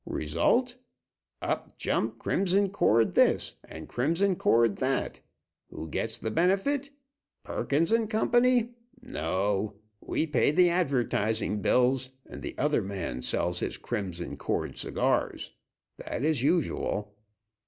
Result up jump Crimson Cord this and Crimson Cord that. Who gets the benefit? Perkins & Co.? No! We pay the advertising bills, and the other man sells his Crimson Cord cigars. That is usual."